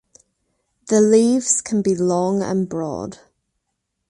The leaves can be long and broad.